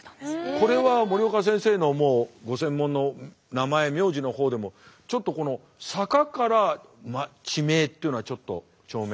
これは森岡先生のもうご専門の名前名字の方でもちょっとこの坂から地名っていうのはちょっと町名。